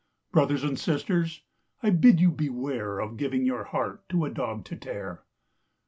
Brothers and sisters, I bid you beware Of giving your heart to a dog to tear.